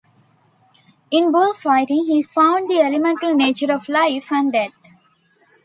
In bullfighting, he found the elemental nature of life and death.